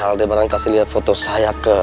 aldebaran kasih lihat foto saya ke